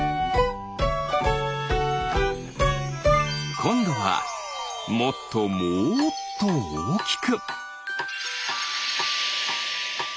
こんどはもっともっとおおきく。